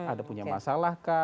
ada punya masalah kah